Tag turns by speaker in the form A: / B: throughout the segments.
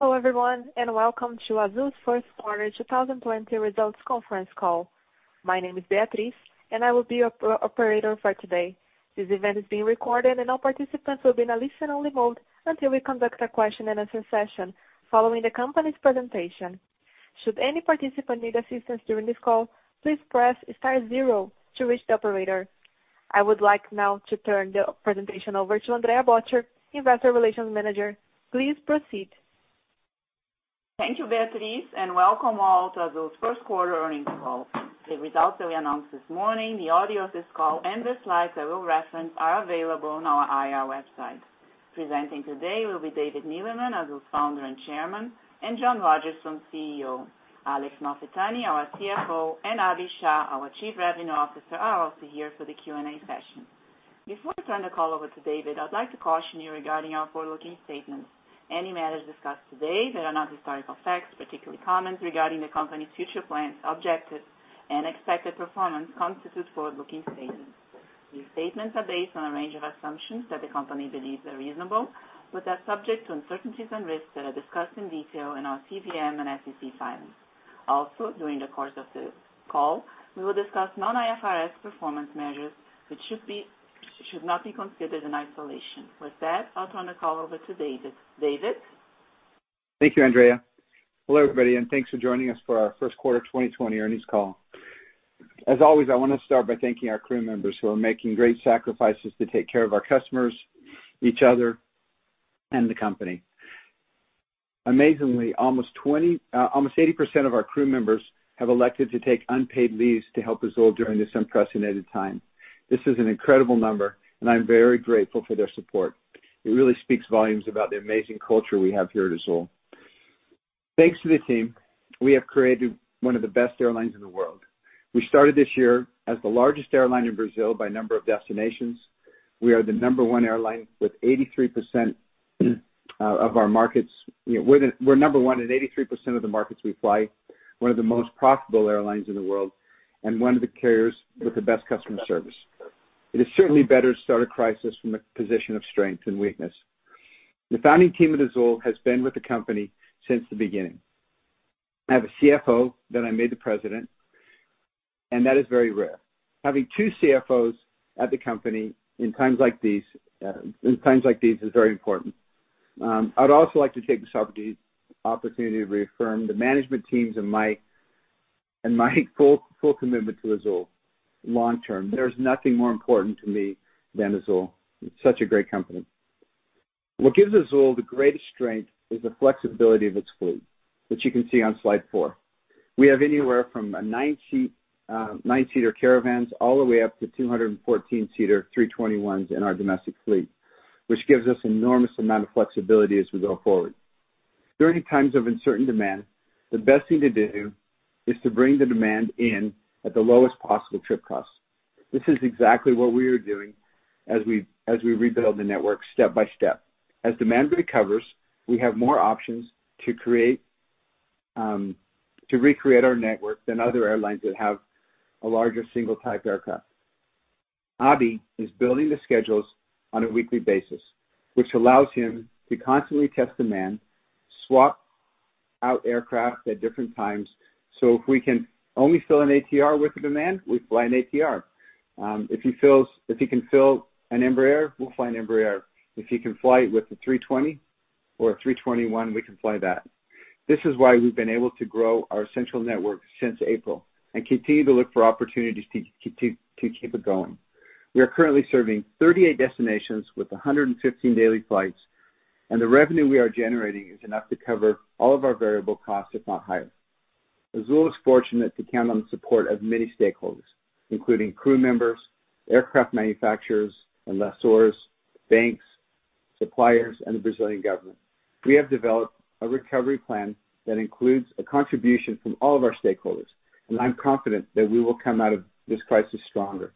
A: Hello, everyone, and welcome to Azul's first quarter 2020 results conference call. My name is Beatrice, and I will be your operator for today. This event is being recorded, and all participants will be in a listen-only mode until we conduct a question and answer session following the company's presentation. Should any participant need assistance during this call, please press star zero to reach the operator. I would like now to turn the presentation over to Andre Ferreira, Investor Relations Manager. Please proceed.
B: Thank you, Beatrice, and welcome all to Azul's first quarter earnings call. The results that we announced this morning, the audio of this call, and the slides I will reference are available on our IR website. Presenting today will be David Neeleman, Azul's Founder and Chairman, and John Rodgerson, CEO. Alex Malfitani, our CFO, and Abhi Shah, our Chief Revenue Officer, are also here for the Q&A session. Before I turn the call over to David, I'd like to caution you regarding our forward-looking statements. Any matters discussed today that are not historical facts, particularly comments regarding the company's future plans, objectives, and expected performance constitute forward-looking statements. These statements are based on a range of assumptions that the company believes are reasonable, but are subject to uncertainties and risks that are discussed in detail in our CVM and SEC filings. Also, during the course of the call, we will discuss non-IFRS performance measures, which should not be considered in isolation. With that, I'll turn the call over to David. David?
C: Thank you, Andre. Hello, everybody, and thanks for joining us for our first quarter 2020 earnings call. As always, I want to start by thanking our crew members who are making great sacrifices to take care of our customers, each other, and the company. Amazingly, almost 80% of our crew members have elected to take unpaid leaves to help Azul during this unprecedented time. This is an incredible number, and I'm very grateful for their support. It really speaks volumes about the amazing culture we have here at Azul. Thanks to the team, we have created one of the best airlines in the world. We started this year as the largest airline in Brazil by number of destinations. We're number one in 83% of the markets we fly, one of the most profitable airlines in the world, and one of the carriers with the best customer service. It is certainly better to start a crisis from a position of strength than weakness. The founding team at Azul has been with the company since the beginning. I have a CFO that I made the president, and that is very rare. Having two CFOs at the company in times like these is very important. I would also like to take this opportunity to reaffirm the management teams and my full commitment to Azul long term. There's nothing more important to me than Azul. It's such a great company. What gives Azul the greatest strength is the flexibility of its fleet, which you can see on slide four. We have anywhere from nine-seater Caravans all the way up to 214-seater 321s in our domestic fleet, which gives us enormous amount of flexibility as we go forward. During times of uncertain demand, the best thing to do is to bring the demand in at the lowest possible trip cost. This is exactly what we are doing as we rebuild the network step by step. As demand recovers, we have more options to recreate our network than other airlines that have a larger single-type aircraft. Abhi is building the schedules on a weekly basis, which allows him to constantly test demand, swap out aircraft at different times. If we can only fill an ATR with the demand, we fly an ATR. If he can fill an Embraer, we'll fly an Embraer. If he can fly with a A320 or a A321, we can fly that. This is why we've been able to grow our central network since April and continue to look for opportunities to keep it going. We are currently serving 38 destinations with 115 daily flights, and the revenue we are generating is enough to cover all of our variable costs, if not higher. Azul is fortunate to count on the support of many stakeholders, including crew members, aircraft manufacturers and lessors, banks, suppliers, and the Brazilian government. We have developed a recovery plan that includes a contribution from all of our stakeholders, and I'm confident that we will come out of this crisis stronger.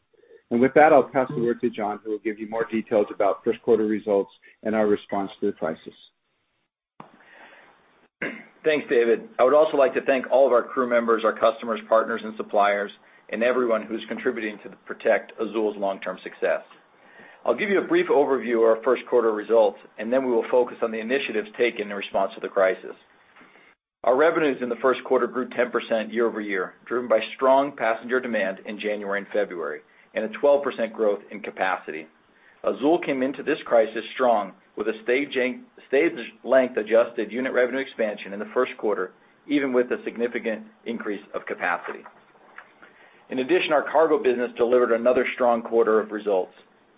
C: With that, I'll pass the word to John, who will give you more details about first quarter results and our response to the crisis.
D: Thanks, David. I would also like to thank all of our crew members, our customers, partners, and suppliers, and everyone who's contributing to protect Azul's long-term success. I'll give you a brief overview of our first quarter results, and then we will focus on the initiatives taken in response to the crisis. Our revenues in the first quarter grew 10% year-over-year, driven by strong passenger demand in January and February, and a 12% growth in capacity. Azul came into this crisis strong, with a stage length adjusted unit revenue expansion in the first quarter, even with a significant increase of capacity. In addition, our cargo business delivered another strong quarter of results,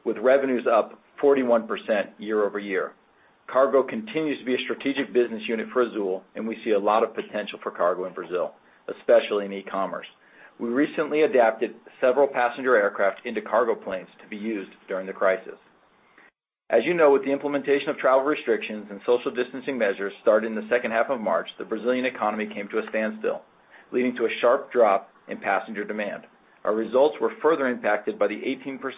D: with revenues up 41% year-over-year. Cargo continues to be a strategic business unit for Azul, and we see a lot of potential for cargo in Brazil, especially in e-commerce. We recently adapted several passenger aircraft into cargo planes to be used during the crisis. As you know, with the implementation of travel restrictions and social distancing measures starting the second half of March, the Brazilian economy came to a standstill, leading to a sharp drop in passenger demand. Our results were further impacted by the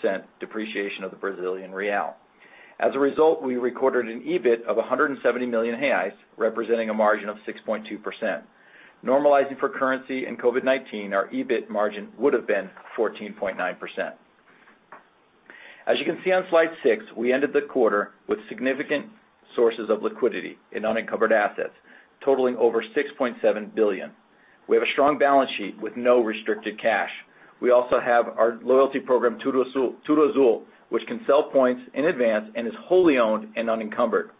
D: 18% depreciation of the Brazilian real. As a result, we recorded an EBIT of 170 million reais, representing a margin of 6.2%. Normalizing for currency and COVID-19, our EBIT margin would have been 14.9%. As you can see on slide six, we ended the quarter with significant sources of liquidity in unencumbered assets totaling over 6.7 billion. We have a strong balance sheet with no restricted cash. We also have our loyalty program, TudoAzul, which can sell points in advance and is wholly owned and unencumbered.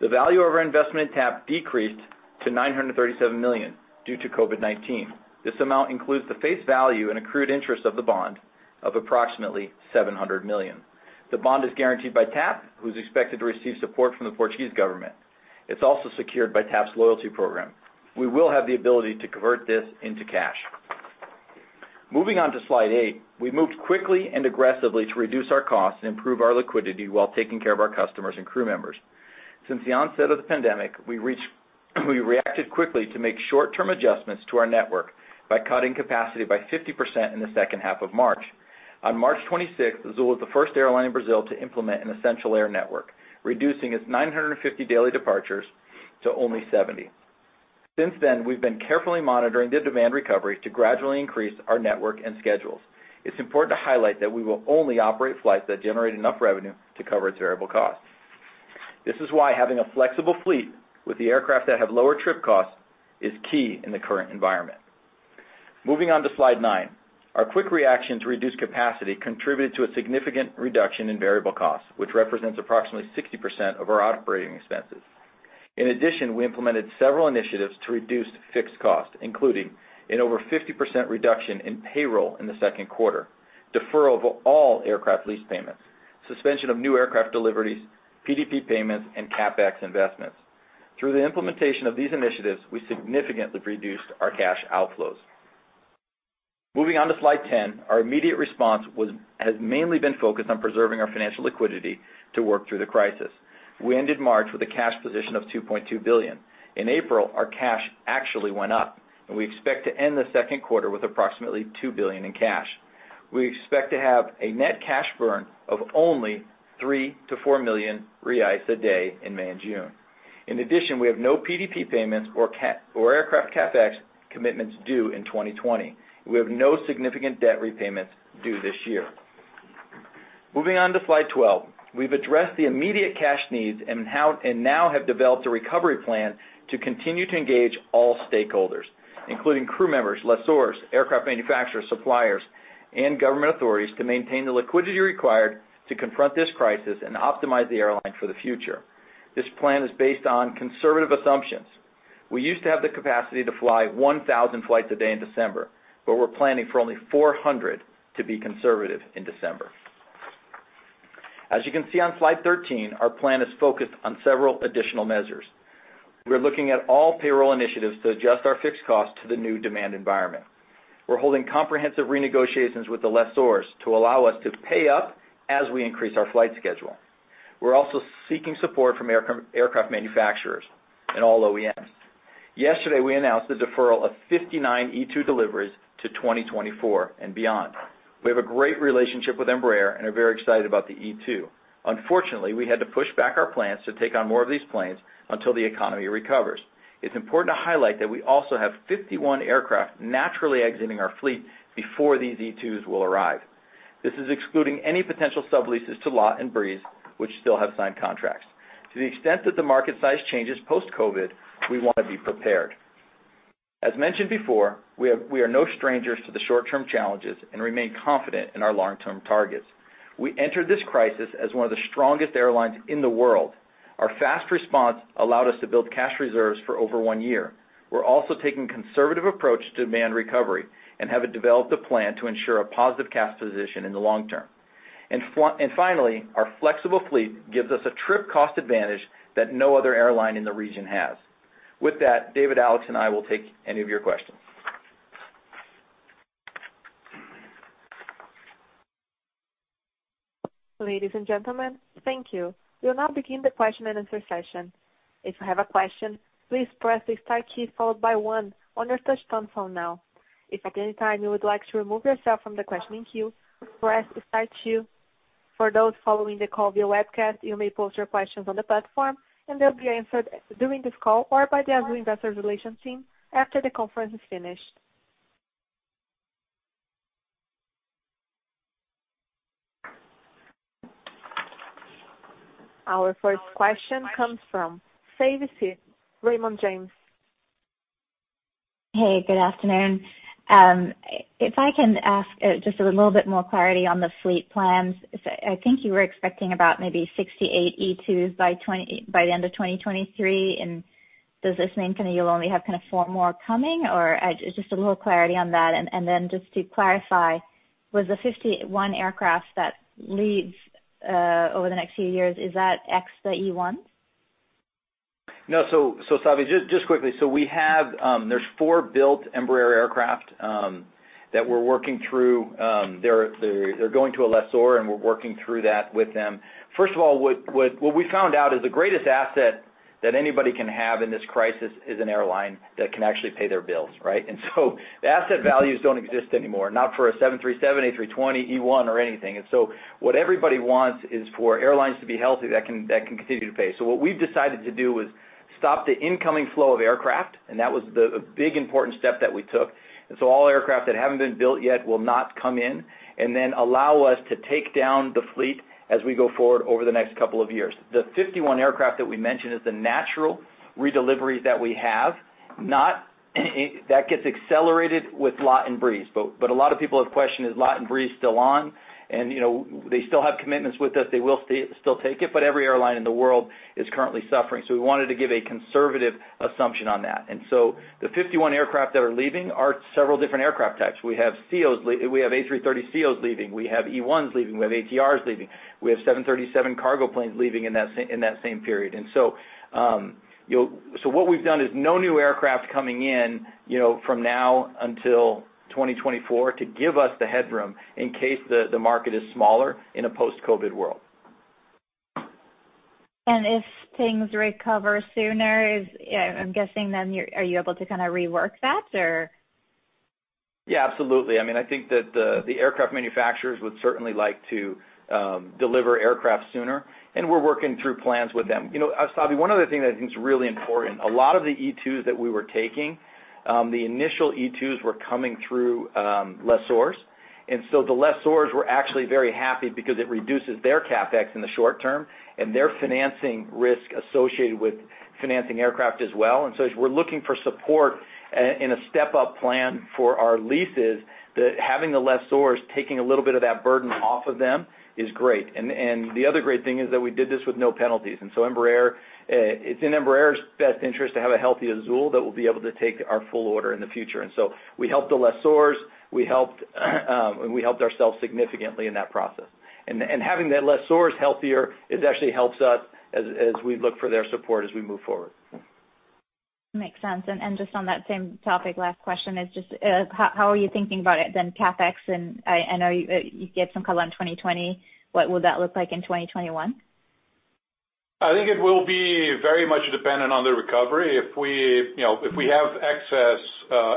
D: The value of our investment, TAP, decreased to 937 million due to COVID-19. This amount includes the face value and accrued interest of the bond of approximately 700 million. The bond is guaranteed by TAP, who's expected to receive support from the Portuguese government. It's also secured by TAP's loyalty program. We will have the ability to convert this into cash. Moving on to slide eight, we moved quickly and aggressively to reduce our costs and improve our liquidity while taking care of our customers and crew members. Since the onset of the pandemic, we reacted quickly to make short-term adjustments to our network by cutting capacity by 50% in the second half of March. On March 26th, Azul was the first airline in Brazil to implement an essential air network, reducing its 950 daily departures to only 70. Since then, we've been carefully monitoring the demand recovery to gradually increase our network and schedules. It's important to highlight that we will only operate flights that generate enough revenue to cover its variable costs. This is why having a flexible fleet with the aircraft that have lower trip costs is key in the current environment. Moving on to slide nine. Our quick reaction to reduced capacity contributed to a significant reduction in variable costs, which represents approximately 60% of our operating expenses. In addition, we implemented several initiatives to reduce fixed costs, including an over 50% reduction in payroll in the second quarter, deferral of all aircraft lease payments, suspension of new aircraft deliveries, PDP payments, and CapEx investments. Through the implementation of these initiatives, we significantly reduced our cash outflows. Moving on to slide 10, our immediate response has mainly been focused on preserving our financial liquidity to work through the crisis. We ended March with a cash position of 2.2 billion. In April, our cash actually went up, and we expect to end the second quarter with approximately 2 billion in cash. We expect to have a net cash burn of only 3 million-4 million reais a day in May and June. In addition, we have no PDP payments or aircraft CapEx commitments due in 2020. We have no significant debt repayments due this year. Moving on to slide 12. We've addressed the immediate cash needs and now have developed a recovery plan to continue to engage all stakeholders, including crew members, lessors, aircraft manufacturers, suppliers, and government authorities to maintain the liquidity required to confront this crisis and optimize the airline for the future. This plan is based on conservative assumptions. We used to have the capacity to fly 1,000 flights a day in December, but we're planning for only 400, to be conservative, in December. As you can see on slide 13, our plan is focused on several additional measures. We're looking at all payroll initiatives to adjust our fixed costs to the new demand environment. We're holding comprehensive renegotiations with the lessors to allow us to pay up as we increase our flight schedule. We're also seeking support from aircraft manufacturers and all OEMs. Yesterday, we announced the deferral of 59 E2 deliveries to 2024 and beyond. We have a great relationship with Embraer and are very excited about the E2. Unfortunately, we had to push back our plans to take on more of these planes until the economy recovers. It's important to highlight that we also have 51 aircraft naturally exiting our fleet before these E2s will arrive. This is excluding any potential subleases to LOT and Breeze, which still have signed contracts. To the extent that the market size changes post-COVID, we want to be prepared. As mentioned before, we are no strangers to the short-term challenges and remain confident in our long-term targets. We entered this crisis as one of the strongest airlines in the world. Our fast response allowed us to build cash reserves for over one year. We're also taking a conservative approach to demand recovery and have developed a plan to ensure a positive cash position in the long term. Finally, our flexible fleet gives us a trip cost advantage that no other airline in the region has. With that, David, Alex, and I will take any of your questions.
A: Ladies and gentlemen, thank you. We'll now begin the question and answer session. If you have a question, please press the star key followed by one on your touchtone phone now. If at any time you would like to remove yourself from the questioning queue, press star two. For those following the call via webcast, you may post your questions on the platform and they'll be answered during this call or by the Azul investor relations team after the conference is finished. Our first question comes from Savi Syth from Raymond James.
E: Hey, good afternoon. If I can ask just a little bit more clarity on the fleet plans. I think you were expecting about maybe 68 E2s by the end of 2023. Does this mean you'll only have four more coming? Just a little clarity on that. Just to clarify, with the 51 aircraft that leaves over the next few years, is that ex the E1s?
D: Savi, just quickly. There's four built Embraer aircraft that we're working through. They're going to a lessor. We're working through that with them. First of all, what we found out is the greatest asset that anybody can have in this crisis is an airline that can actually pay their bills, right? The asset values don't exist anymore, not for a 737, A320, E1, or anything. What everybody wants is for airlines to be healthy that can continue to pay. What we've decided to do was stop the incoming flow of aircraft, and that was the big important step that we took. All aircraft that haven't been built yet will not come in then allow us to take down the fleet as we go forward over the next couple of years. The 51 aircraft that we mentioned is the natural redeliveries that we have. That gets accelerated with LATAM and Breeze. A lot of people have questioned, is LATAM and Breeze still on? They still have commitments with us, they will still take it, every airline in the world is currently suffering. We wanted to give a conservative assumption on that. The 51 aircraft that are leaving are several different aircraft types. We have A330ceos leaving. We have E1s leaving. We have ATRs leaving. We have 737 cargo planes leaving in that same period. What we've done is no new aircraft coming in from now until 2024 to give us the headroom in case the market is smaller in a post-COVID world.
E: If things recover sooner, I'm guessing then are you able to kind of rework that, or?
D: Yeah, absolutely. I think that the aircraft manufacturers would certainly like to deliver aircraft sooner, and we're working through plans with them. Savi, one other thing that I think is really important, a lot of the E2s that we were taking, the initial E2s were coming through lessors. The lessors were actually very happy because it reduces their CapEx in the short term and their financing risk associated with financing aircraft as well. As we're looking for support in a step-up plan for our leases, that having the lessors taking a little bit of that burden off of them is great. The other great thing is that we did this with no penalties. It's in Embraer's best interest to have a healthy Azul that will be able to take our full order in the future. We helped the lessors, we helped ourselves significantly in that process. Having the lessors healthier, it actually helps us as we look for their support as we move forward.
E: Makes sense. Just on that same topic, last question is just, how are you thinking about then CapEx? I know you gave some color on 2020. What will that look like in 2021?
F: I think it will be very much dependent on the recovery. If we have excess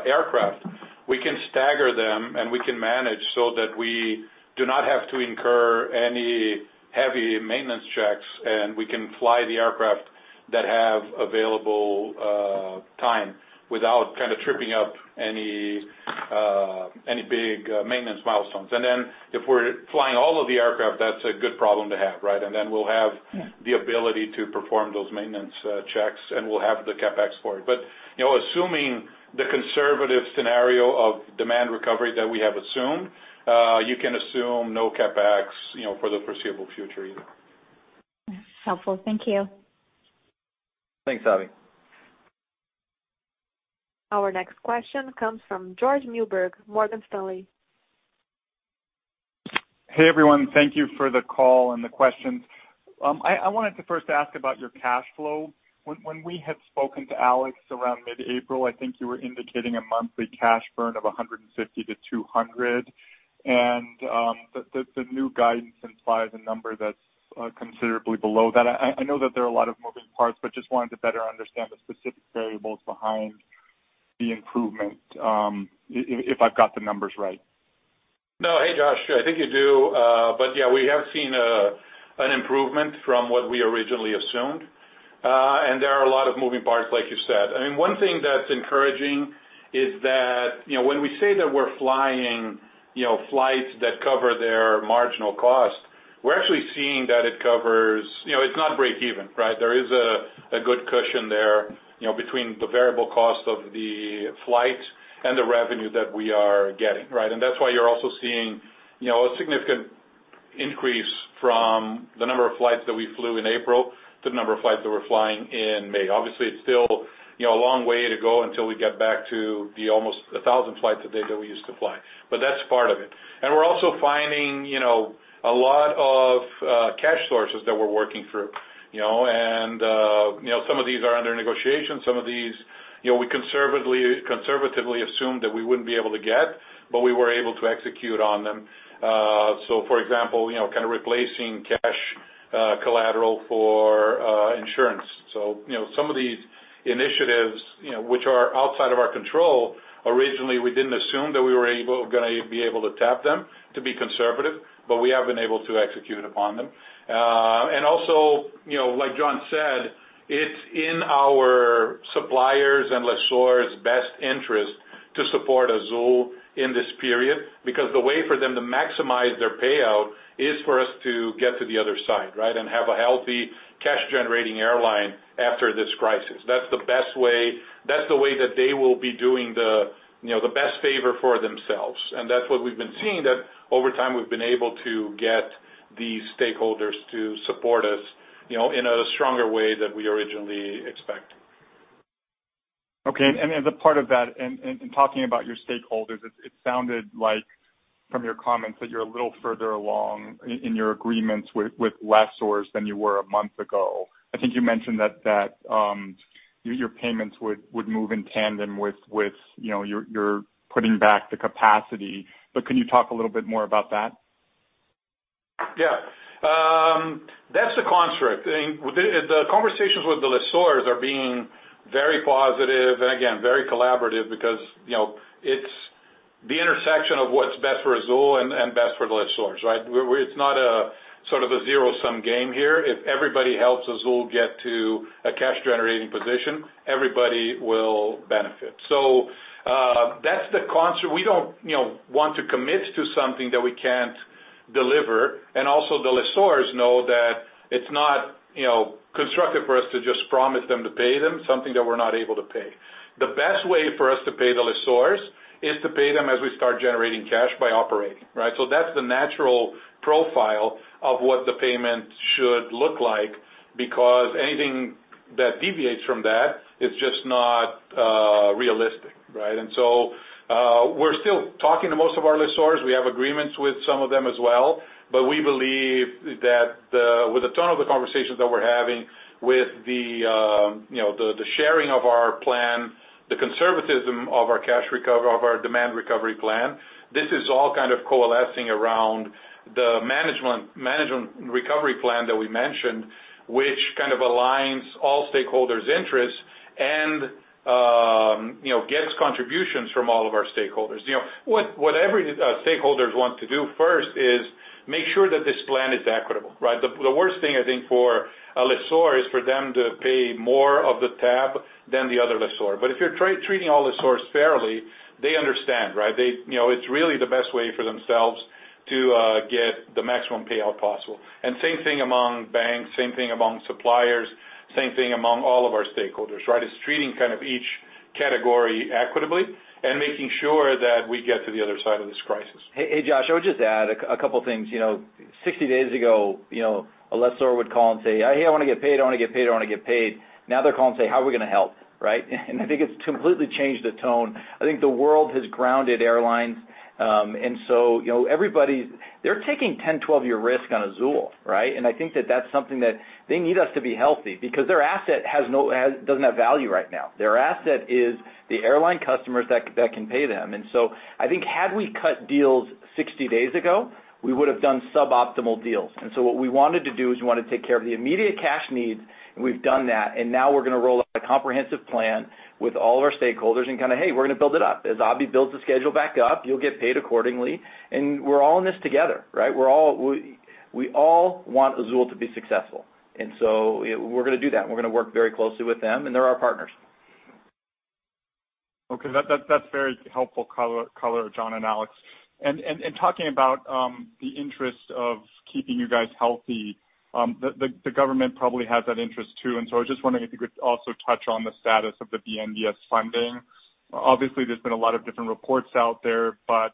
F: aircraft, we can stagger them, and we can manage so that we do not have to incur any heavy maintenance checks, and we can fly the aircraft that have available time without kind of tripping up any big maintenance milestones. If we're flying all of the aircraft, that's a good problem to have, right? We'll have the ability to perform those maintenance checks, and we'll have the CapEx for it. Assuming the conservative scenario of demand recovery that we have assumed, you can assume no CapEx for the foreseeable future either.
E: Helpful. Thank you.
D: Thanks, Savi.
A: Our next question comes from Josh Milberg, Morgan Stanley.
G: Hey, everyone. Thank you for the call and the questions. I wanted to first ask about your cash flow. When we had spoken to Alex around mid-April, I think you were indicating a monthly cash burn of 150-200. The new guidance implies a number that's considerably below that. I know that there are a lot of moving parts, but just wanted to better understand the specific variables behind the improvement, if I've got the numbers right.
F: No. Hey, Josh. I think you do. Yeah, we have seen an improvement from what we originally assumed. There are a lot of moving parts, like you said. One thing that's encouraging is that when we say that we're flying flights that cover their marginal cost, we're actually seeing that it covers, it's not breakeven, right? There is a good cushion there between the variable cost of the flight and the revenue that we are getting, right? That's why you're also seeing a significant increase from the number of flights that we flew in April to the number of flights that we're flying in May. Obviously, it's still a long way to go until we get back to the almost 1,000 flights a day that we used to fly. That's part of it. We're also finding a lot of cash sources that we're working through. Some of these are under negotiation. Some of these we conservatively assumed that we wouldn't be able to get, but we were able to execute on them. For example, kind of replacing cash collateral for insurance. Some of these initiatives which are outside of our control, originally, we didn't assume that we were going to be able to tap them to be conservative, but we have been able to execute upon them. Also, like John said, it's in our suppliers and lessors best interest to support Azul in this period because the way for them to maximize their payout is for us to get to the other side, right, and have a healthy cash-generating airline after this crisis. That's the way that they will be doing the best favor for themselves. That's what we've been seeing, that over time, we've been able to get these stakeholders to support us in a stronger way than we originally expected.
G: Okay. As a part of that, in talking about your stakeholders, it sounded like from your comments that you're a little further along in your agreements with lessors than you were a month ago. I think you mentioned that your payments would move in tandem with your putting back the capacity, but can you talk a little bit more about that?
F: Yeah. That's the construct. The conversations with the lessors are being very positive and again, very collaborative because it's the intersection of what's best for Azul and best for the lessors, right? It's not a sort of a zero-sum game here. If everybody helps Azul get to a cash-generating position, everybody will benefit. That's the construct. We don't want to commit to something that we can't deliver, and also the lessors know that it's not constructive for us to just promise them to pay them something that we're not able to pay. The best way for us to pay the lessors is to pay them as we start generating cash by operating, right? That's the natural profile of what the payment should look like, because anything that deviates from that is just not realistic, right? We're still talking to most of our lessors. We have agreements with some of them as well, but we believe that with the tone of the conversations that we're having with the sharing of our plan, the conservatism of our demand recovery plan, this is all kind of coalescing around the management recovery plan that we mentioned, which kind of aligns all stakeholders' interests and gets contributions from all of our stakeholders. What every stakeholders want to do first is make sure that this plan is equitable, right? The worst thing, I think, for a lessor is for them to pay more of the tab than the other lessor. If you're treating all lessors fairly, they understand, right? It's really the best way for themselves to get the maximum payout possible. Same thing among banks, same thing among suppliers, same thing among all of our stakeholders, right? It's treating kind of each category equitably and making sure that we get to the other side of this crisis.
D: Hey, Josh, I would just add a couple things. 60 days ago, a lessor would call and say, "Hey, I want to get paid, I want to get paid, I want to get paid." Now they're calling and say, "How are we going to help?" Right? I think it's completely changed the tone. I think the world has grounded airlines. Everybody, they're taking 10, 12-year risk on Azul, right? I think that that's something that they need us to be healthy because their asset doesn't have value right now. Their asset is the airline customers that can pay them. I think had we cut deals 60 days ago, we would have done suboptimal deals. what we wanted to do is we wanted to take care of the immediate cash needs, and we've done that, and now we're going to roll out a comprehensive plan with all of our stakeholders and kind of, "Hey, we're going to build it up. As Abhi builds the schedule back up, you'll get paid accordingly." we're all in this together, right? We all want Azul to be successful. we're going to do that, and we're going to work very closely with them, and they're our partners.
G: Okay, that's very helpful color, John and Alex. In talking about the interest of keeping you guys healthy, the government probably has that interest too, and so I was just wondering if you could also touch on the status of the BNDES funding. Obviously, there's been a lot of different reports out there, but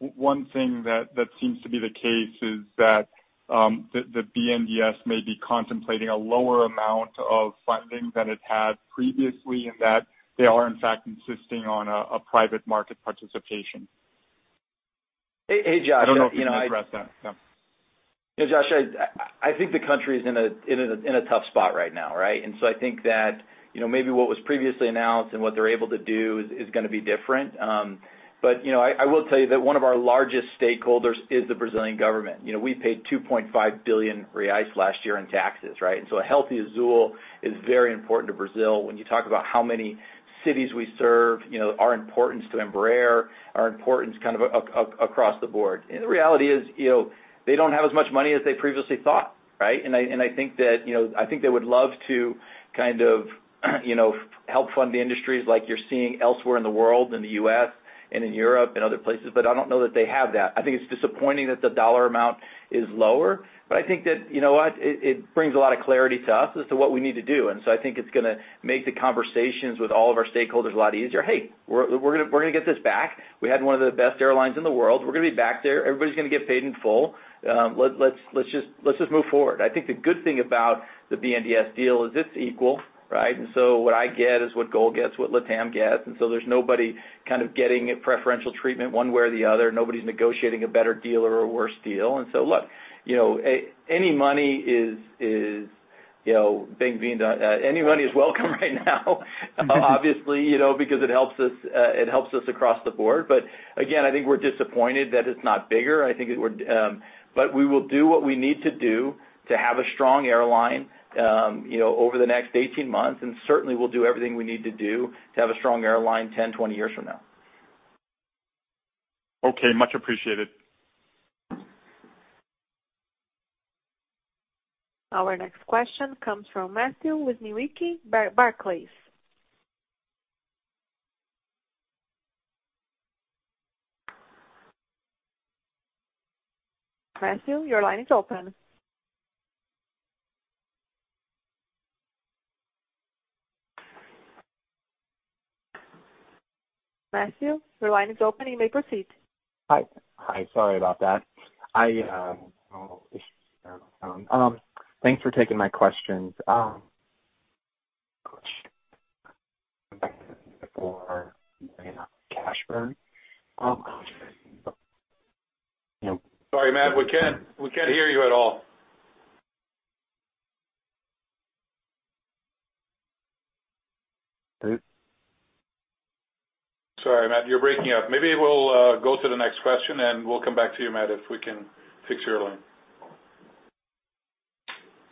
G: one thing that seems to be the case is that the BNDES may be contemplating a lower amount of funding than it had previously, and that they are, in fact, insisting on a private market participation.
D: Hey, Josh-
G: I don't know if you can address that. Yeah.
D: Hey, Josh. I think the country is in a tough spot right now, right? I think that maybe what was previously announced and what they're able to do is going to be different. I will tell you that one of our largest stakeholders is the Brazilian government. We paid 2.5 billion reais last year in taxes, right? A healthy Azul is very important to Brazil when you talk about how many cities we serve, our importance to Embraer, our importance kind of across the board. The reality is they don't have as much money as they previously thought, right? I think they would love to kind of help fund the industries like you're seeing elsewhere in the world, in the U.S. and in Europe and other places, but I don't know that they have that. I think it's disappointing that the dollar amount is lower, but I think that, you know what, it brings a lot of clarity to us as to what we need to do. I think it's going to make the conversations with all of our stakeholders a lot easier. "Hey, we're going to get this back. We had one of the best airlines in the world. We're going to be back there. Everybody's going to get paid in full. Let's just move forward." I think the good thing about the BNDES deal is it's equal, right? what I get is what Gol gets, what LATAM gets, and so there's nobody kind of getting preferential treatment one way or the other. Nobody's negotiating a better deal or a worse deal. Look, any money is welcome right now obviously, because it helps us across the board. Again, I think we're disappointed that it's not bigger. We will do what we need to do to have a strong airline over the next 18 months, and certainly we'll do everything we need to do to have a strong airline 10, 20 years from now.
G: Okay, much appreciated.
A: Our next question comes from Matthew McClintock, Barclays. Matthew, your line is open. You may proceed.
H: Hi. Sorry about that. Thanks for taking my questions.
F: Sorry, Matt, we can't hear you at all. Sorry, Matt, you're breaking up. Maybe we'll go to the next question, and we'll come back to you, Matt, if we can fix your line.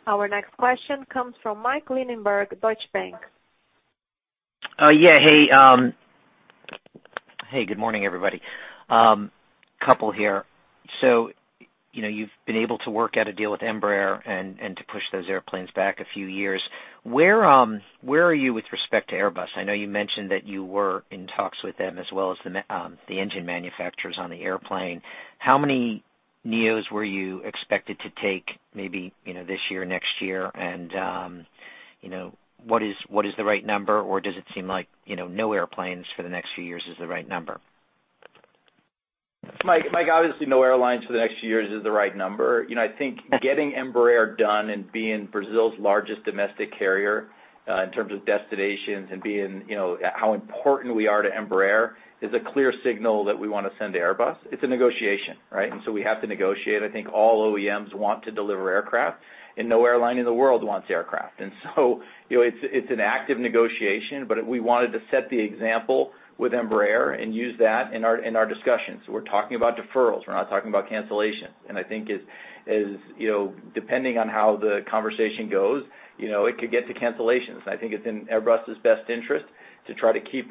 A: Our next question comes from Michael Linenberg, Deutsche Bank.
I: Yeah. Hey, good morning, everybody. Couple here. You've been able to work out a deal with Embraer and to push those airplanes back a few years. Where are you with respect to Airbus? I know you mentioned that you were in talks with them as well as the engine manufacturers on the airplane. How many neos were you expected to take maybe this year, next year, and what is the right number, or does it seem like, no airplanes for the next few years is the right number?
D: Mike, obviously, no airlines for the next few years is the right number. I think getting Embraer done and being Brazil's largest domestic carrier in terms of destinations and how important we are to Embraer is a clear signal that we want to send to Airbus. It's a negotiation, right? We have to negotiate. I think all OEMs want to deliver aircraft, and no airline in the world wants aircraft. It's an active negotiation, but we wanted to set the example with Embraer and use that in our discussions. We're talking about deferrals. We're not talking about cancellations. I think depending on how the conversation goes, it could get to cancellations. I think it's in Airbus's best interest to try to keep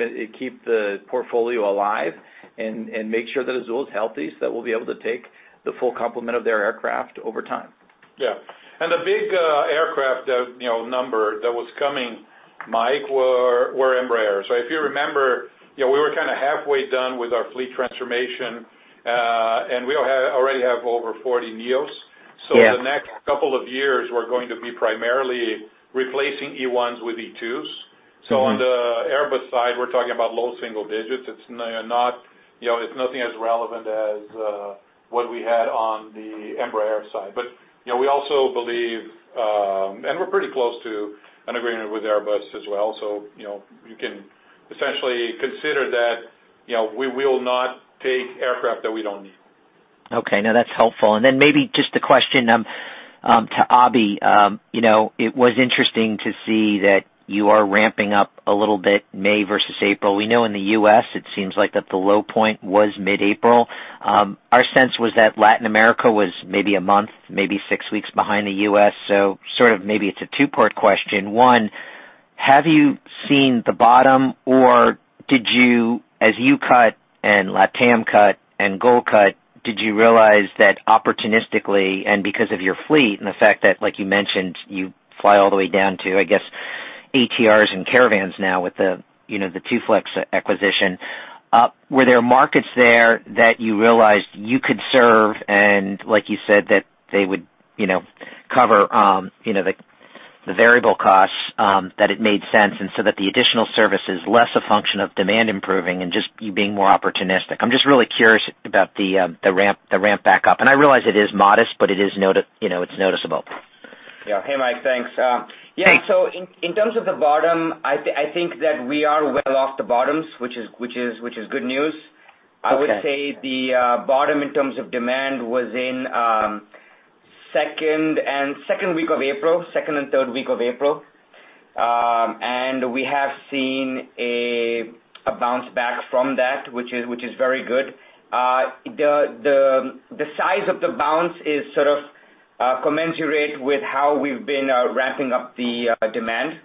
D: the portfolio alive and make sure that Azul is healthy, so that we'll be able to take the full complement of their aircraft over time.
F: Yeah. The big aircraft number that was coming, Mike, were Embraer. If you remember, we were kind of halfway done with our fleet transformation, and we already have over 40 neos.
I: Yeah.
F: in the next couple of years, we're going to be primarily replacing E1s with E2s. On the Airbus side, we're talking about low single digits. It's nothing as relevant as what we had on the Embraer side. We also believe, and we're pretty close to an agreement with Airbus as well, so you can essentially consider that we will not take aircraft that we don't need.
I: Okay. No, that's helpful. Maybe just a question to Abhi. It was interesting to see that you are ramping up a little bit May versus April. We know in the U.S., it seems like that the low point was mid-April. Our sense was that Latin America was maybe a month, maybe six weeks behind the U.S. Sort of maybe it's a two-part question. One, have you seen the bottom or did you, as you cut and LATAM cut and Gol cut, did you realize that opportunistically and because of your fleet and the fact that, like you mentioned, you fly all the way down to, I guess, ATRs and Caravans now with the TwoFlex acquisition. Were there markets there that you realized you could serve and like you said, that they would cover the variable costs, that it made sense, and so that the additional service is less a function of demand improving and just you being more opportunistic? I'm just really curious about the ramp back up. I realize it is modest, but it's noticeable.
J: Yeah. Hey, Mike, thanks.
I: Thanks.
J: Yeah. In terms of the bottom, I think that we are well off the bottoms, which is good news.
I: Okay.
J: I would say the bottom in terms of demand was in second week of April, second and third week of April. We have seen a bounce back from that, which is very good. The size of the bounce is sort of commensurate with how we've been ramping up the demand,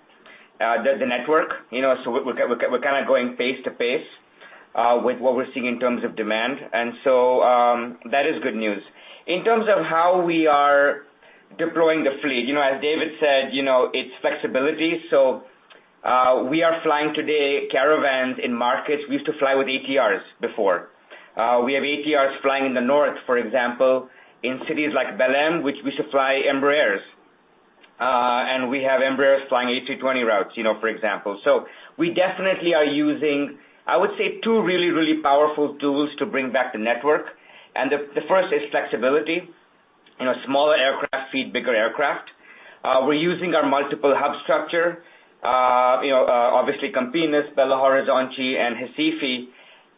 J: the network. We're kind of going pace to pace with what we're seeing in terms of demand. That is good news. In terms of how we are deploying the fleet, as David said, it's flexibility. We are flying today Caravans in markets we used to fly with ATRs before. We have ATRs flying in the north, for example, in cities like Belém, which we used to fly Embraers. We have Embraers flying A320 routes, for example. We definitely are using, I would say, two really, really powerful tools to bring back the network. The first is flexibility. Smaller aircraft feed bigger aircraft. We're using our multiple hub structure, obviously Campinas, Belo Horizonte, and Recife,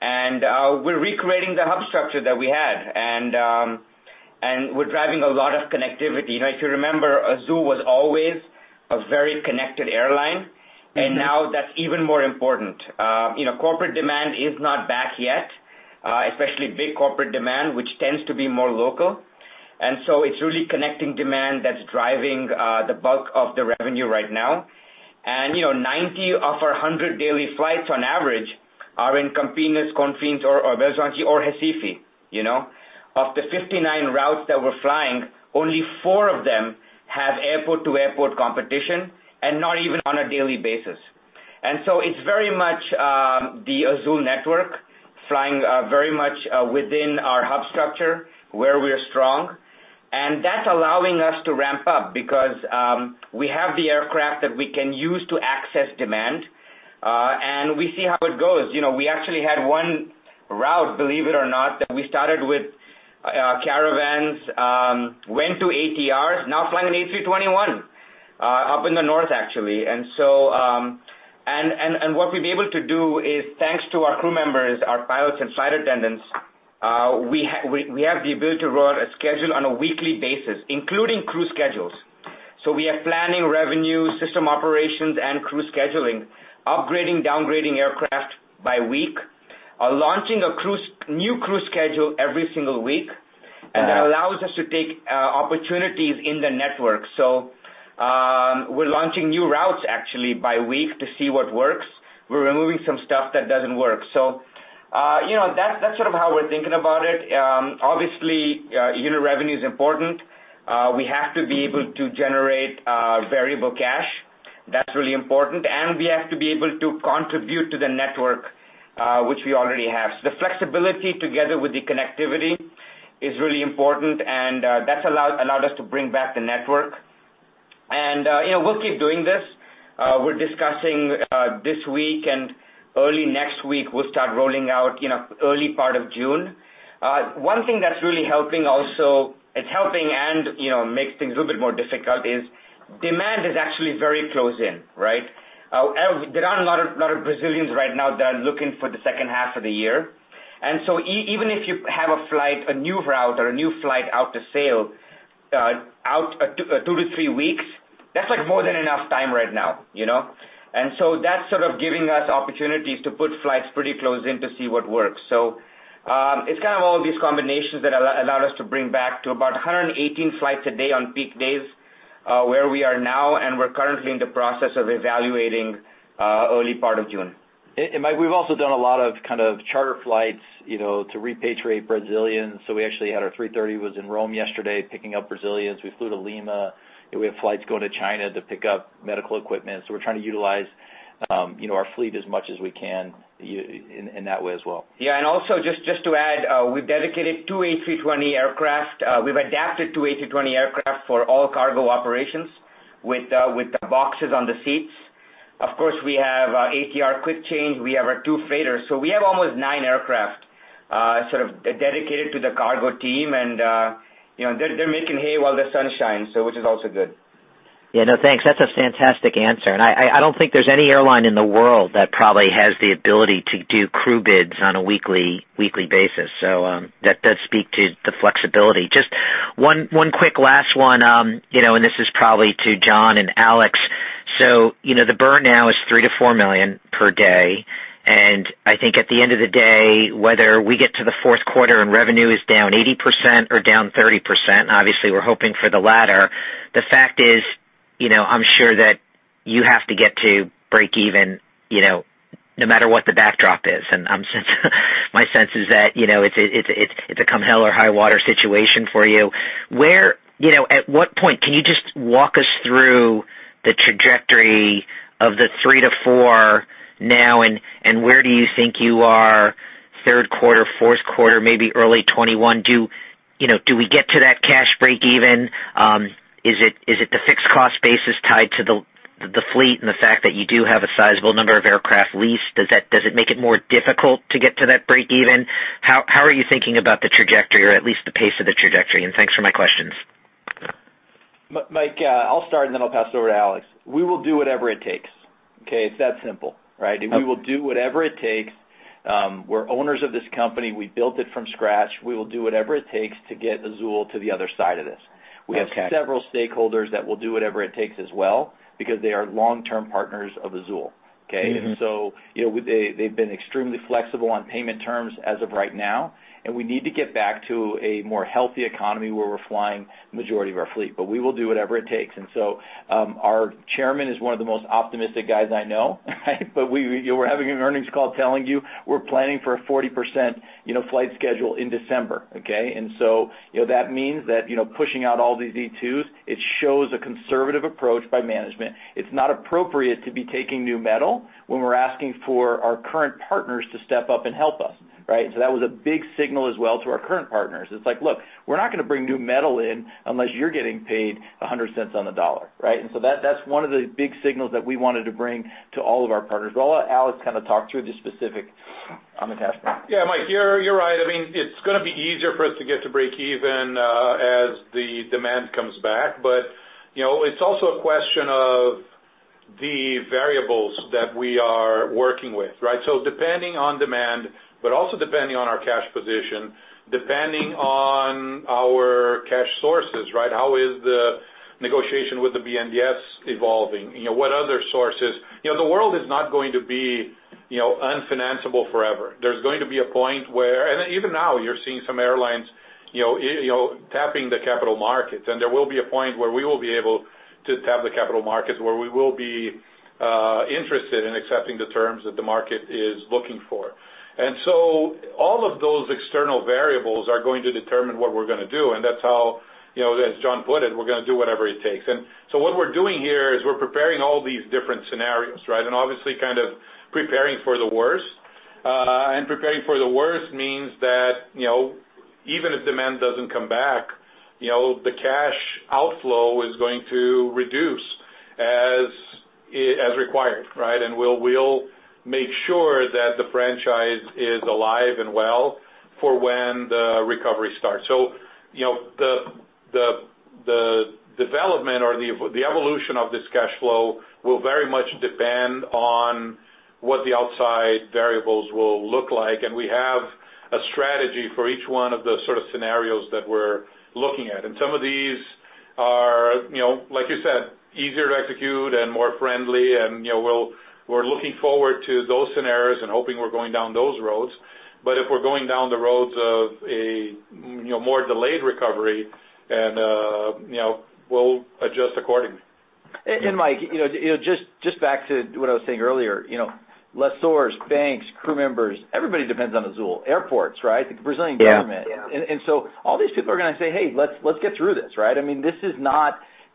J: and we're recreating the hub structure that we had. We're driving a lot of connectivity. If you remember, Azul was always a very connected airline- now that's even more important. Corporate demand is not back yet, especially big corporate demand, which tends to be more local. It's really connecting demand that's driving the bulk of the revenue right now. 90 of our 100 daily flights on average are in Campinas, Confins or Belo Horizonte or Recife. Of the 59 routes that we're flying, only four of them have airport-to-airport competition, and not even on a daily basis. It's very much the Azul network flying very much within our hub structure where we are strong, and that's allowing us to ramp up because we have the aircraft that we can use to access demand, and we see how it goes. We actually had one route, believe it or not, that we started with Caravans, went to ATRs, now flying an A321 up in the north, actually. what we've been able to do is, thanks to our crew members, our pilots and flight attendants, we have the ability to roll out a schedule on a weekly basis, including crew schedules. we are planning revenue, system operations, and crew scheduling, upgrading, downgrading aircraft by week. We are launching a new crew schedule every single week
D: Yeah
J: That allows us to take opportunities in the network. We're launching new routes actually by week to see what works. We're removing some stuff that doesn't work. That's sort of how we're thinking about it. Obviously, unit revenue is important. We have to be able to generate variable cash. That's really important, and we have to be able to contribute to the network, which we already have. The flexibility together with the connectivity is really important, and that's allowed us to bring back the network. We'll keep doing this. We're discussing this week and early next week, we'll start rolling out early part of June. One thing that's really helping also, it's helping and makes things a little bit more difficult is demand is actually very close in. Right? There are a lot of Brazilians right now that are looking for the second half of the year. Even if you have a flight, a new route, or a new flight out to sail, out two to three weeks, that's more than enough time right now. That's sort of giving us opportunities to put flights pretty close in to see what works. It's kind of all these combinations that allowed us to bring back to about 118 flights a day on peak days, where we are now, and we're currently in the process of evaluating early part of June.
D: Mike, we've also done a lot of charter flights to repatriate Brazilians, so we actually had our 330 was in Rome yesterday, picking up Brazilians. We flew to Lima, and we have flights going to China to pick up medical equipment. We're trying to utilize our fleet as much as we can in that way as well.
J: Yeah. Also just to add, we've dedicated two A320 aircraft. We've adapted two A320 aircraft for all cargo operations with the boxes on the seats. Of course, we have our ATR Quick Change. We have our two freighters. We have almost nine aircraft sort of dedicated to the cargo team, and they're making hay while the sun shines, so which is also good.
I: Yeah. No, thanks. That's a fantastic answer, and I don't think there's any airline in the world that probably has the ability to do crew bids on a weekly basis. That does speak to the flexibility. Just one quick last one, and this is probably to John and Alex. The burn now is BRL three to four million per day, and I think at the end of the day, whether we get to the fourth quarter and revenue is down 80% or down 30%, obviously we're hoping for the latter. The fact is, I'm sure that you have to get to breakeven no matter what the backdrop is, and my sense is that it's a come hell or high water situation for you. At what point, can you just walk us through the trajectory of the three to four now, and where do you think you are third quarter, fourth quarter, maybe early 2021? Do we get to that cash breakeven? Is it the fixed cost base is tied to the fleet and the fact that you do have a sizable number of aircraft leased? Does it make it more difficult to get to that breakeven? How are you thinking about the trajectory or at least the pace of the trajectory? Thanks for my questions.
D: Mike, I'll start and then I'll pass it over to Alex. We will do whatever it takes, okay? It's that simple, right?
I: Okay.
D: We will do whatever it takes. We're owners of this company. We built it from scratch. We will do whatever it takes to get Azul to the other side of this.
I: Okay.
D: We have several stakeholders that will do whatever it takes as well because they are long-term partners of Azul, okay? they've been extremely flexible on payment terms as of right now, and we need to get back to a more healthy economy where we're flying majority of our fleet. We will do whatever it takes. Our chairman is one of the most optimistic guys I know, right? We're having an earnings call telling you we're planning for a 40% flight schedule in December, okay? That means that pushing out all these E2s, it shows a conservative approach by management. It's not appropriate to be taking new metal when we're asking for our current partners to step up and help us, right? That was a big signal as well to our current partners. It's like, "Look, we're not going to bring new metal in unless you're getting paid 100 cents on the dollar," right? that's one of the big signals that we wanted to bring to all of our partners. I'll let Alex kind of talk through the specific on the cash flow.
F: Yeah, Mike, you're right. I mean, it's going to be easier for us to get to breakeven as the demand comes back. It's also a question of the variables that we are working with, right? Depending on demand, but also depending on our cash position, depending on our cash sources, right? How is the negotiation with the BNDES evolving? What other sources? The world is not going to be un-financeable forever. There's going to be a point where, and even now you're seeing some airlines tapping the capital markets, and there will be a point where we will be able to tap the capital markets where we will be interested in accepting the terms that the market is looking for. all of those external variables are going to determine what we're going to do, and that's how, as John put it, we're going to do whatever it takes. what we're doing here is we're preparing all these different scenarios, right? obviously kind of preparing for the worst. preparing for the worst means that even if demand doesn't come back, the cash outflow is going to reduce as required, right? we'll make sure that the franchise is alive and well for when the recovery starts. the development or the evolution of this cash flow will very much depend on what the outside variables will look like, and we have a strategy for each one of the sort of scenarios that we're looking at. Some of these are, like you said, easier to execute and more friendly, and we're looking forward to those scenarios and hoping we're going down those roads. If we're going down the roads of a more delayed recovery, then we'll adjust accordingly.
D: Mike, just back to what I was saying earlier, lessors, banks, crew members, everybody depends on Azul. Airports, right?
F: Yeah.
D: The Brazilian government.
F: Yeah.
D: all these people are going to say, "Hey, let's get through this," right?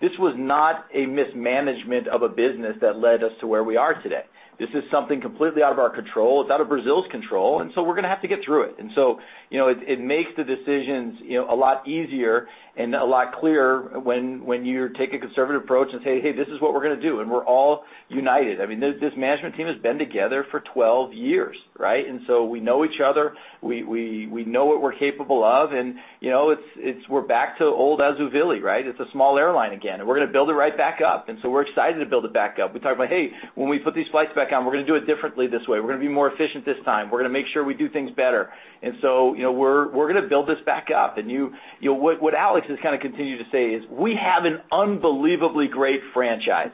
D: This was not a mismanagement of a business that led us to where we are today. This is something completely out of our control. It's out of Brazil's control, and so we're going to have to get through it. it makes the decisions a lot easier and a lot clearer when you take a conservative approach and say, "Hey, this is what we're going to do," and we're all united. This management team has been together for 12 years, right? we know each other. We know what we're capable of, and we're back to old [Azul really], right? It's a small airline again, and we're going to build it back up. we're excited to build it back up. We talk about, hey, when we put these flights back on, we're going to do it differently this way. We're going to be more efficient this time. We're going to make sure we do things better. We're going to build this back up. What Alex has kind of continued to say is, we have an unbelievably great franchise.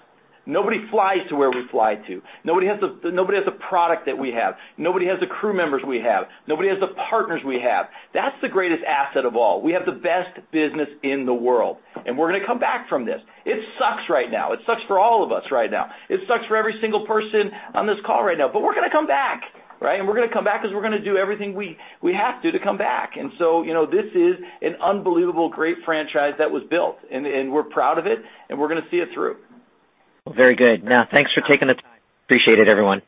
D: Nobody flies to where we fly to. Nobody has the product that we have. Nobody has the crew members we have. Nobody has the partners we have. That's the greatest asset of all. We have the best business in the world, and we're going to come back from this. It sucks right now. It sucks for all of us right now. It sucks for every single person on this call right now, but we're going to come back, right? we're going to come back because we're going to do everything we have to come back. this is an unbelievable, great franchise that was built, and we're proud of it, and we're going to see it through.
I: Very good. Now, thanks for taking the time. Appreciate it, everyone.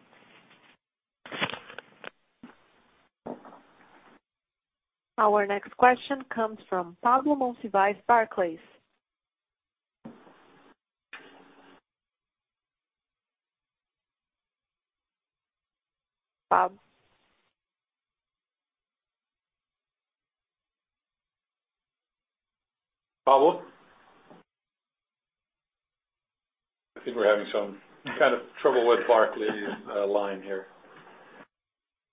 A: Our next question comes from Pablo Monsivais, Barclays. Pablo?
F: Pablo? I think we're having some kind of trouble with Barclays line here.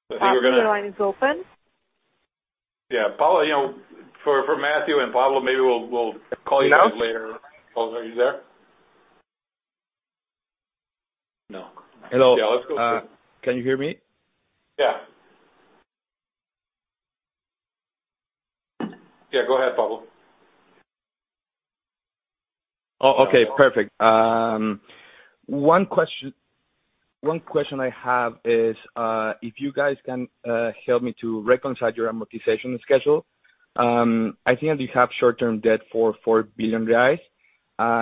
F: I think we're going to-
A: Pablo, your line is open.
F: Yeah. Pablo, for Matthew and Pablo, maybe we'll call you guys later.
D: Pablo?
F: Pablo, are you there? No.
K: Hello.
F: Yeah, let's go to-
K: Can you hear me?
F: Yeah. Yeah, go ahead, Pablo.
K: Oh, okay, perfect. One question I have is, if you guys can help me to reconcile your amortization schedule. I think you have short-term debt for 4 billion reais.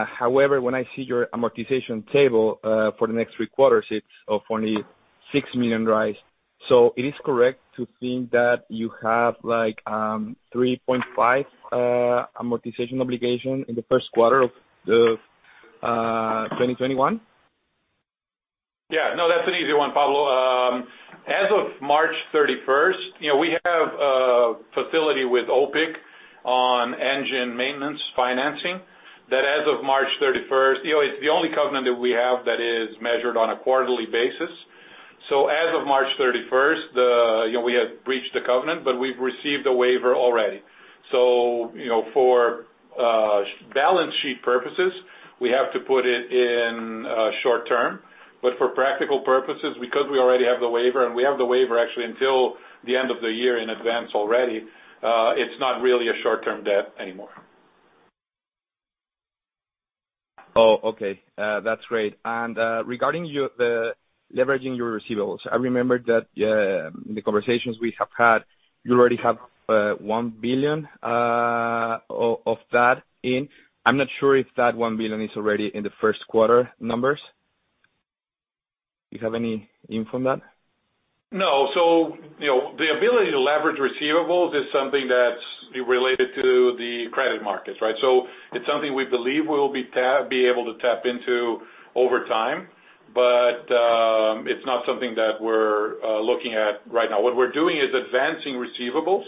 K: However, when I see your amortization table for the next three quarters, it's only 6 million. it is correct to think that you have like 3.5 amortization obligation in the first quarter of 2021?
F: Yeah. No, that's an easy one, Pablo. As of March 31st, we have a facility with OPIC on engine maintenance financing that as of March 31st. It's the only covenant that we have that is measured on a quarterly basis. As of March 31st, we have breached the covenant, but we've received a waiver already. For balance sheet purposes, we have to put it in short-term. For practical purposes, because we already have the waiver, and we have the waiver actually until the end of the year in advance already, it's not really a short-term debt anymore.
K: Oh, okay. That's great. Regarding leveraging your receivables, I remember that in the conversations we have had, you already have 1 billion of that in. I'm not sure if that 1 billion is already in the first quarter numbers. Do you have any info on that?
F: No. The ability to leverage receivables is something that's related to the credit markets, right? It's something we believe we'll be able to tap into over time. It's not something that we're looking at right now. What we're doing is advancing receivables,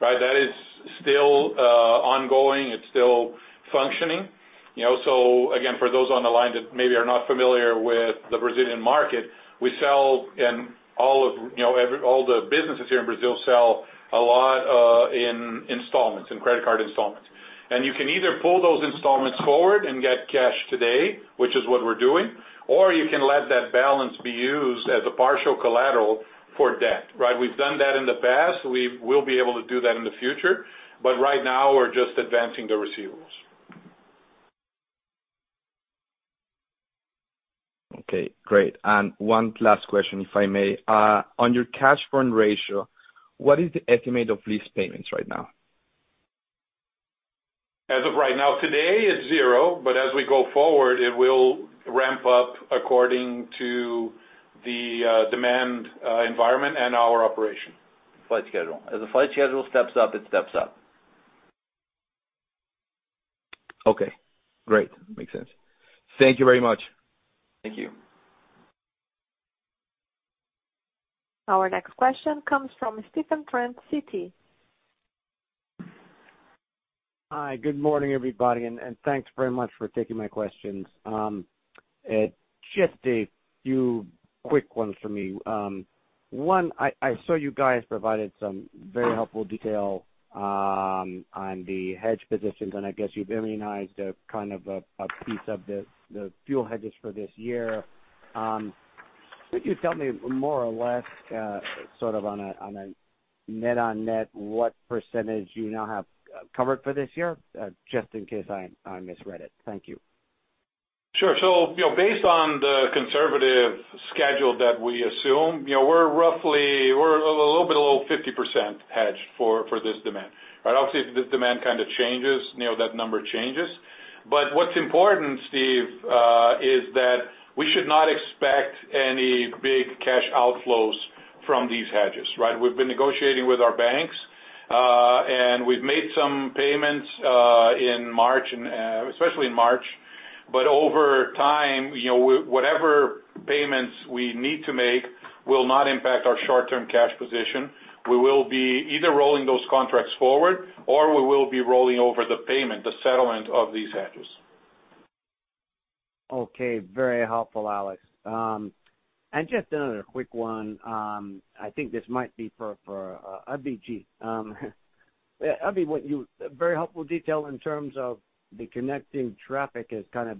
F: right? That is still ongoing. It's still functioning. Again, for those on the line that maybe are not familiar with the Brazilian market, all the businesses here in Brazil sell a lot in installments, in credit card installments. You can either pull those installments forward and get cash today, which is what we're doing, or you can let that balance be used as a partial collateral for debt, right? We've done that in the past. We will be able to do that in the future. Right now, we're just advancing the receivables.
K: Okay, great. One last question, if I may. On your cash burn ratio, what is the estimate of lease payments right now?
F: As of right now, today it's zero. as we go forward, it will ramp up according to the demand environment and our operation.
D: Flight schedule. As the flight schedule steps up, it steps up.
K: Okay, great. Makes sense. Thank you very much.
F: Thank you.
A: Our next question comes from Stephen Trent, Citi.
L: Hi, good morning, everybody, and thanks very much for taking my questions. Just a few quick ones for me. One, I saw you guys provided some very helpful detail on the hedge positions, and I guess you've immunized kind of a piece of the fuel hedges for this year. Could you tell me more or less, sort of on a net on net, what percentage you now have covered for this year? Just in case I misread it. Thank you.
F: Sure. Based on the conservative schedule that we assume, we're a little bit below 50% hedged for this demand. Right? Obviously, if this demand kind of changes, that number changes. What's important, Steve, is that we should not expect any big cash outflows from these hedges, right? We've been negotiating with our banks, and we've made some payments especially in March. Over time, whatever payments we need to make will not impact our short-term cash position. We will be either rolling those contracts forward or we will be rolling over the payment, the settlement of these hedges.
L: Okay. Very helpful, Alex. Just another quick one. I think this might be for Abhi G. Abhi, very helpful detail in terms of the connecting traffic has kind of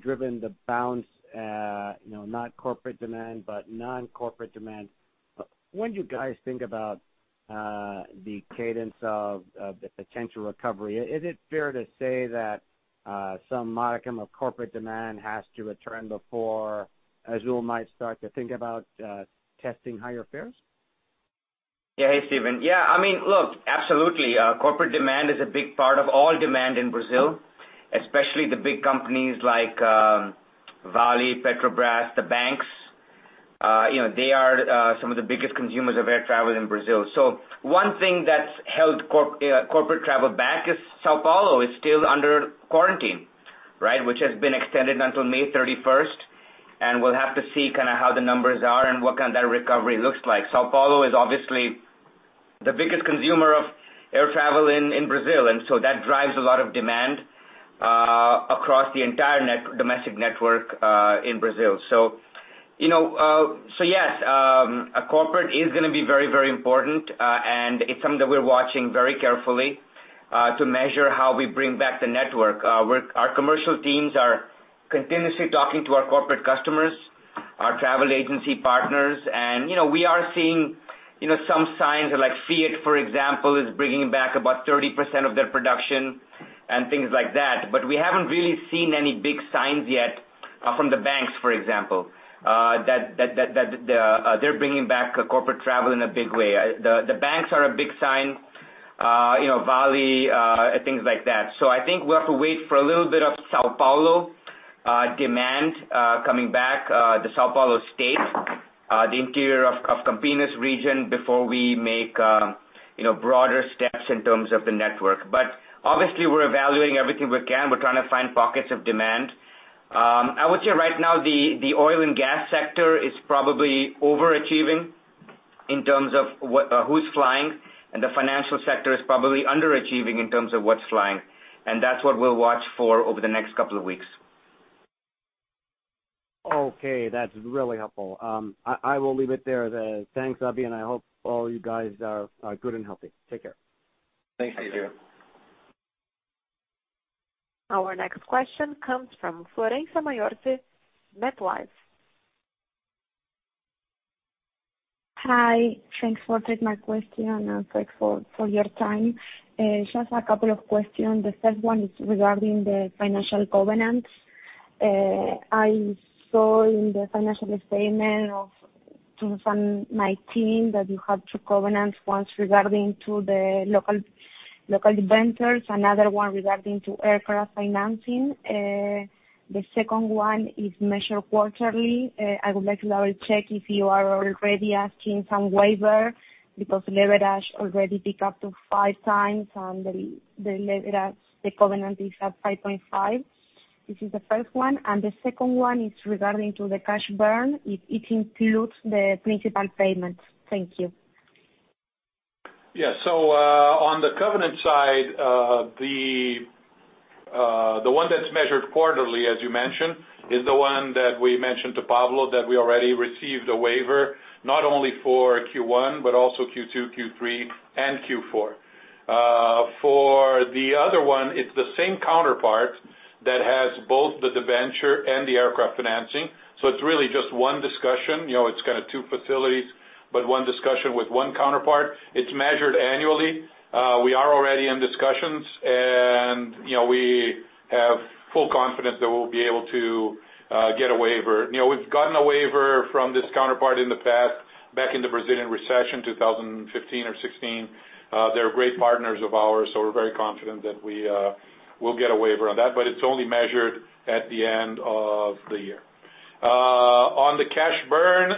L: driven the bounce, not corporate demand, but non-corporate demand. When you guys think about the cadence of the potential recovery, is it fair to say that some modicum of corporate demand has to return before Azul might start to think about testing higher fares?
J: Yeah. Hey, Stephen. Yeah, look, absolutely. Corporate demand is a big part of all demand in Brazil, especially the big companies like Vale, Petrobras, the banks. They are some of the biggest consumers of air travel in Brazil. One thing that's held corporate travel back is São Paulo is still under quarantine. Right? Which has been extended until May 31st, and we'll have to see kind of how the numbers are and what kind that recovery looks like. São Paulo is obviously the biggest consumer of air travel in Brazil, and so that drives a lot of demand across the entire domestic network in Brazil. Yes, corporate is going to be very important, and it's something that we're watching very carefully to measure how we bring back the network. Our commercial teams are continuously talking to our corporate customers, our travel agency partners, and we are seeing some signs like Fiat, for example, is bringing back about 30% of their production and things like that. We haven't really seen any big signs yet from the banks, for example, that they're bringing back corporate travel in a big way. The banks are a big sign, Vale, things like that. I think we have to wait for a little bit of São Paulo demand coming back, the São Paulo state, the interior of Campinas region, before we make broader steps in terms of the network. Obviously we're evaluating everything we can. We're trying to find pockets of demand. I would say right now the oil and gas sector is probably overachieving in terms of who's flying, and the financial sector is probably underachieving in terms of what's flying. That's what we'll watch for over the next couple of weeks.
L: Okay. That's really helpful. I will leave it there then. Thanks, Abhi, and I hope all you guys are good and healthy. Take care.
F: Thanks, Stephen.
J: Thank you.
A: Our next question comes from Florencia Mayorte, MetLife.
M: Hi. Thanks for taking my question and thanks for your time. Just a couple of questions. The first one is regarding the financial covenants. I saw in the financial statement from my team that you have two covenants, one's regarding to the local debentures, another one regarding to aircraft financing. The second one is measured quarterly. I would like to double check if you are already asking some waiver because leverage already pick up to five times and the leverage, the covenant is at 5.5. This is the first one, and the second one is regarding to the cash burn, if it includes the principal payments. Thank you.
F: Yeah. On the covenant side, the one that's measured quarterly, as you mentioned, is the one that we mentioned to Pablo that we already received a waiver not only for Q1, but also Q2, Q3, and Q4. For the other one, it's the same counterpart that has both the debenture and the aircraft financing. It's really just one discussion. It's kind of two facilities, but one discussion with one counterpart. It's measured annually. We are already in discussions, and we have full confidence that we'll be able to get a waiver. We've gotten a waiver from this counterpart in the past, back in the Brazilian recession 2015 or '16. They're great partners of ours, so we're very confident that we'll get a waiver on that. It's only measured at the end of the year. On the cash burn,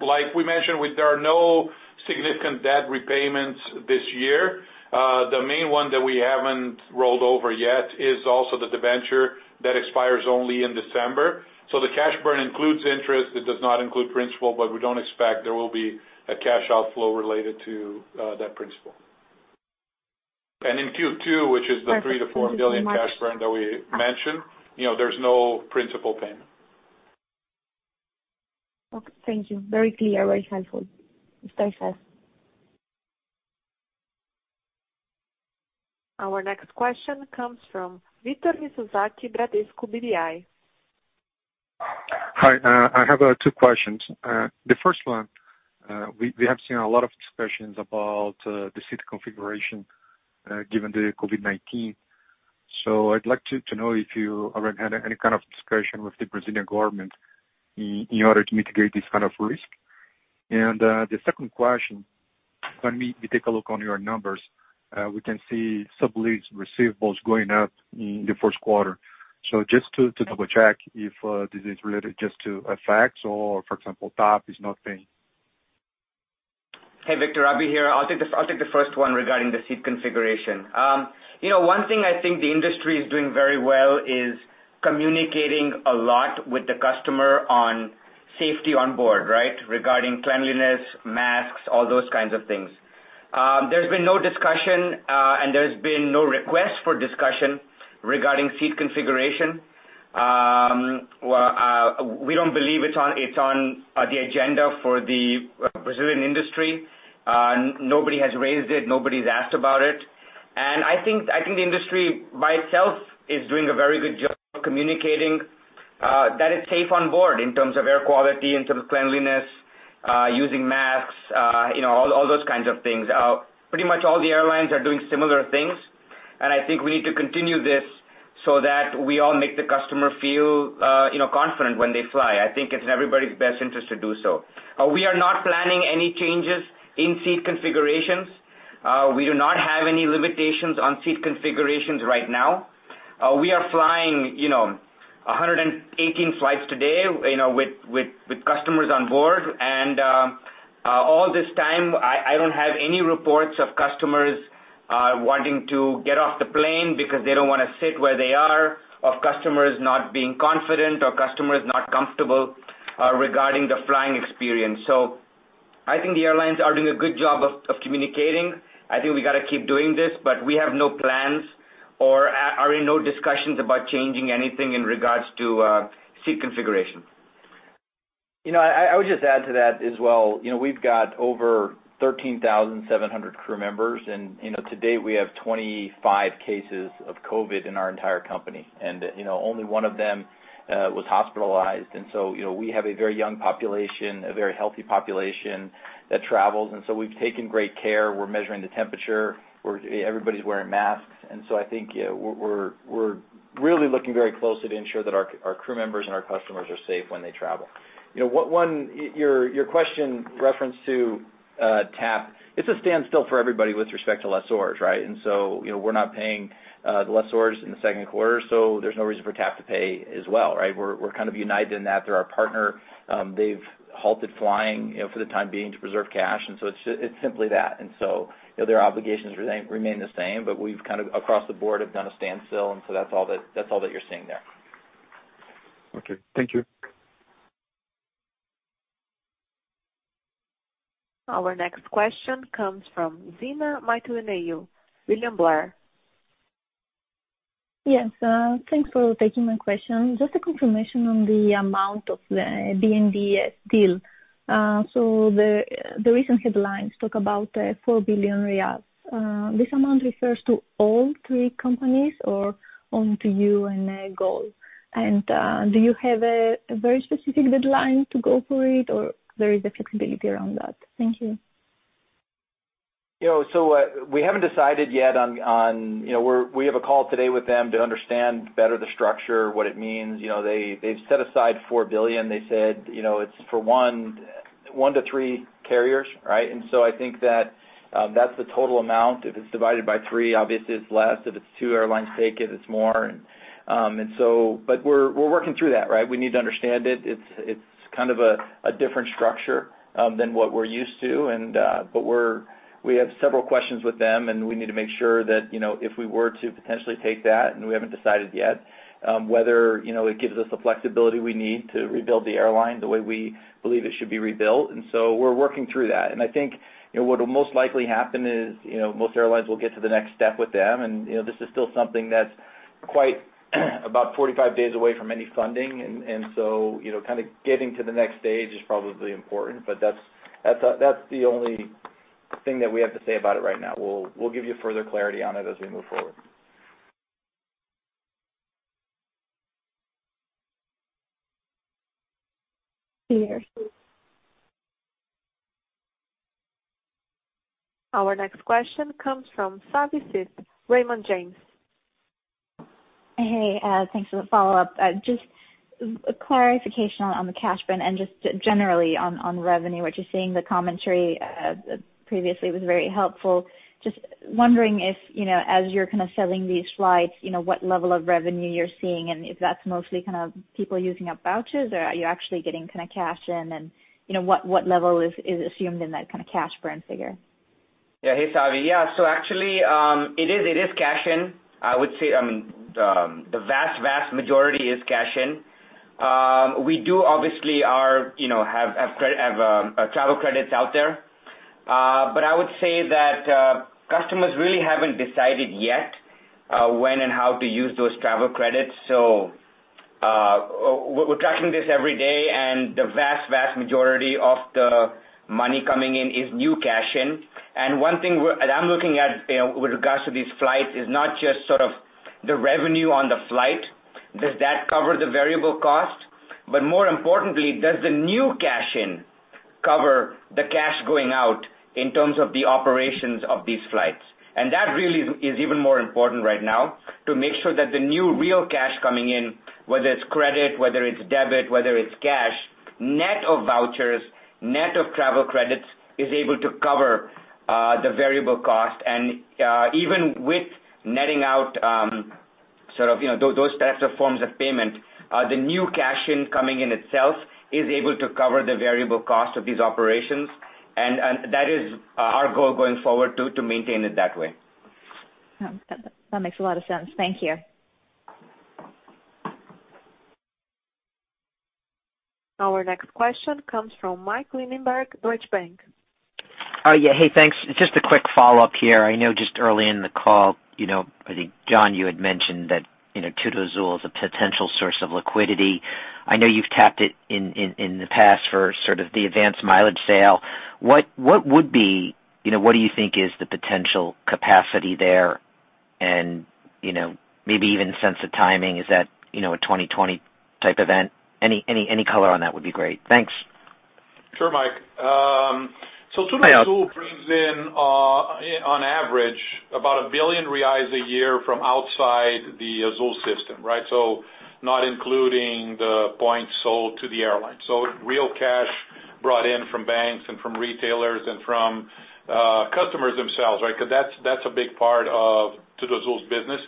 F: like we mentioned, there are no significant debt repayments this year. The main one that we haven't rolled over yet is also the debenture that expires only in December. The cash burn includes interest. It does not include principal, but we don't expect there will be a cash outflow related to that principal.
D: In Q2, which is the 3 billion-4 billion cash burn that we mentioned, there's no principal payment.
M: Okay. Thank you. Very clear, very helpful. It's very fast.
A: Our next question comes from Victor Mizusaki, Bradesco BBI.
N: Hi, I have two questions. The first one, we have seen a lot of discussions about the seat configuration given the COVID-19. I'd like to know if you already had any kind of discussion with the Brazilian government in order to mitigate this kind of risk. The second question, when we take a look on your numbers, we can see sublease receivables going up in the first quarter. Just to double-check if this is related just to effects or, for example, TAP is not paying.
J: Hey, Victor. Abhi here. I'll take the first one regarding the seat configuration. One thing I think the industry is doing very well is communicating a lot with the customer on safety on board, regarding cleanliness, masks, all those kinds of things. There's been no discussion, and there's been no request for discussion regarding seat configuration. We don't believe it's on the agenda for the Brazilian industry. Nobody has raised it, nobody's asked about it. I think the industry by itself is doing a very good job communicating that it's safe on board in terms of air quality, in terms of cleanliness, using masks, all those kinds of things. Pretty much all the airlines are doing similar things, and I think we need to continue this so that we all make the customer feel confident when they fly. I think it's in everybody's best interest to do so. We are not planning any changes in seat configurations. We do not have any limitations on seat configurations right now. We are flying 118 flights today with customers on board, and all this time, I don't have any reports of customers wanting to get off the plane because they don't want to sit where they are, of customers not being confident or customers not comfortable regarding the flying experience. I think the airlines are doing a good job of communicating. I think we got to keep doing this, but we have no plans or are in no discussions about changing anything in regards to seat configuration.
D: I would just add to that as well. We've got over 13,700 crew members, and to date, we have 25 cases of COVID in our entire company, and only one of them was hospitalized. We have a very young population, a very healthy population that travels, and so we've taken great care. We're measuring the temperature. Everybody's wearing masks. I think we're really looking very closely to ensure that our crew members and our customers are safe when they travel. Your question referenced to TAP. It's a standstill for everybody with respect to lessors. We're not paying the lessors in the second quarter, so there's no reason for TAP to pay as well. We're kind of united in that. They're our partner. They've halted flying for the time being to preserve cash, and so it's simply that. their obligations remain the same, but we've kind of, across the board, have done a standstill, and so that's all that you're seeing there.
N: Okay. Thank you.
A: Our next question comes from Zina, Mytilinaiou. William Blair.
O: Yes. Thanks for taking my question. Just a confirmation on the amount of the BNDES deal. The recent headlines talk about BRL 4 billion. This amount refers to all three companies or only to you and Gol? Do you have a very specific deadline to go for it, or there is a flexibility around that? Thank you.
D: We haven't decided yet. We have a call today with them to understand better the structure, what it means. They've set aside 4 billion. They said it's for one to three carriers. I think that that's the total amount. If it's divided by three, obviously it's less. If it's two airlines take it's more. We're working through that. We need to understand it. It's kind of a different structure than what we're used to, but we have several questions with them, and we need to make sure that if we were to potentially take that, and we haven't decided yet, whether it gives us the flexibility we need to rebuild the airline the way we believe it should be rebuilt. We're working through that. I think what will most likely happen is most airlines will get to the next step with them. This is still something that's quite about 45 days away from any funding, and so kind of getting to the next stage is probably important. That's the only thing that we have to say about it right now. We'll give you further clarity on it as we move forward.
O: Cheers.
A: Our next question comes from Savi Syth, Raymond James.
E: Hey, thanks for the follow-up. Just a clarification on the cash burn and just generally on revenue. What you're saying, the commentary previously was very helpful. Just wondering if, as you're kind of selling these slides, what level of revenue you're seeing and if that's mostly kind of people using up vouchers, or are you actually getting kind of cash in and what level is assumed in that kind of cash burn figure?
J: Yeah. Hey, Savi. Yeah. actually, it is cash in. I would say the vast majority is cash in. We do obviously have our travel credits out there. I would say that customers really haven't decided yet when and how to use those travel credits. we're tracking this every day, and the vast majority of the money coming in is new cash in. one thing that I'm looking at with regards to these flights is not just the revenue on the flight. Does that cover the variable cost? more importantly, does the new cash in cover the cash going out in terms of the operations of these flights? that really is even more important right now to make sure that the new real cash coming in, whether it's credit, whether it's debit, whether it's cash, net of vouchers, net of travel credits, is able to cover the variable cost. Even with netting out those types of forms of payment, the new cash in coming in itself is able to cover the variable cost of these operations, and that is our goal going forward, to maintain it that way.
E: That makes a lot of sense. Thank you.
A: Our next question comes from Michael Linenberg, Deutsche Bank.
I: Yeah. Hey, thanks. Just a quick follow-up here. I know just early in the call, I think, John, you had mentioned that TudoAzul is a potential source of liquidity. I know you've tapped it in the past for the advanced mileage sale. What do you think is the potential capacity there and maybe even sense of timing? Is that a 2020 type event? Any color on that would be great. Thanks.
F: Sure, Mike. TudoAzul brings in, on average, about 1 billion reais a year from outside the Azul system. Not including the points sold to the airlines. Real cash brought in from banks and from retailers and from customers themselves. Because that's a big part of TudoAzul's business.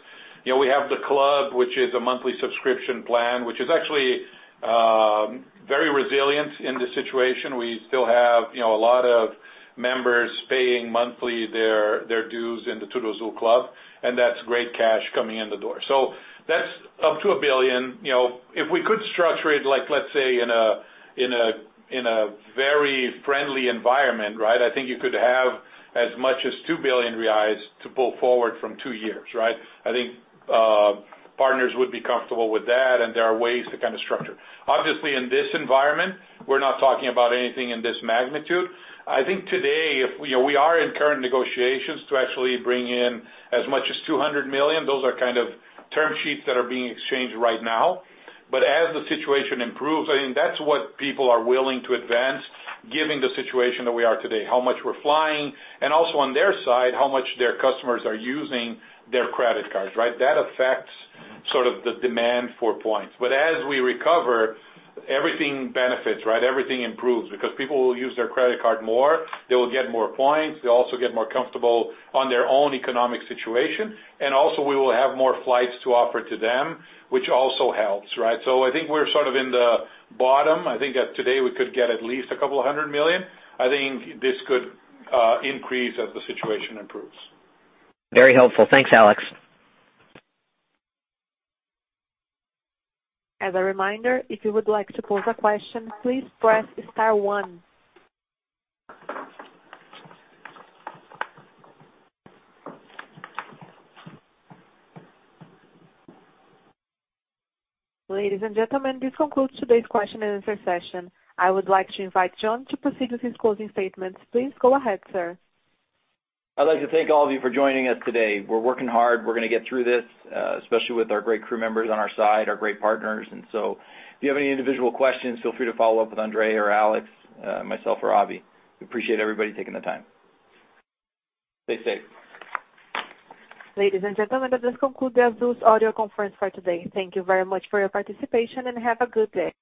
F: We have the club, which is a monthly subscription plan, which is actually very resilient in this situation. We still have a lot of members paying monthly their dues in the TudoAzul club, and that's great cash coming in the door. That's up to 1 billion. If we could structure it, let's say in a very friendly environment, I think you could have as much as 2 billion reais to pull forward from two years. I think partners would be comfortable with that, and there are ways to kind of structure. Obviously, in this environment, we're not talking about anything in this magnitude. I think today, we are in current negotiations to actually bring in as much as 200 million. Those are term sheets that are being exchanged right now. As the situation improves, I think that's what people are willing to advance, given the situation that we are today, how much we're flying, and also on their side, how much their customers are using their credit cards. That affects the demand for points. As we recover, everything benefits. Everything improves because people will use their credit card more, they will get more points. They also get more comfortable on their own economic situation. Also we will have more flights to offer to them, which also helps. I think we're in the bottom. I think that today we could get at least a couple of hundred million. I think this could increase as the situation improves.
I: Very helpful. Thanks, Alex.
A: As a reminder, if you would like to pose a question, please press star one. Ladies and gentlemen, this concludes today's question and answer session. I would like to invite John to proceed with his closing statements. Please go ahead, sir.
D: I'd like to thank all of you for joining us today. We're working hard. We're going to get through this, especially with our great crew members on our side, our great partners. If you have any individual questions, feel free to follow up with Andre or Alex, myself or Abhi. We appreciate everybody taking the time. Stay safe.
A: Ladies and gentlemen, that does conclude the Azul's audio conference for today. Thank you very much for your participation, and have a good day.